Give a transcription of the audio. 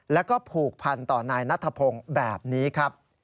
แล้วก็ผูกพันต่อนายนัทพงศ์แบบนี้ครับ